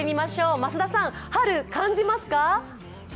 増田さん、春、感じますか？